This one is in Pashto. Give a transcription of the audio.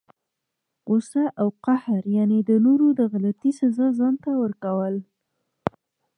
غصه او قهر، یعني د نورو د غلطۍ سزا ځانته ورکول!